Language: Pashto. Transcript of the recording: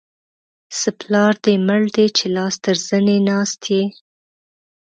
څه پلار دې مړ دی؛ چې لاس تر زنې ناست يې.